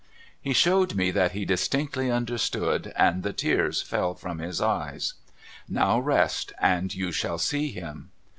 He showed me that he distinctly understood, and the tears fell from his eyes. ' Now rest, and you shall see him.'